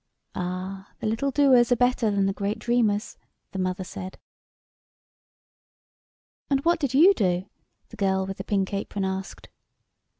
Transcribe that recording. "Ah, the little doers are better than the great dreamers," the mother said. " And what did you do ?" the girl with the pink apron asked.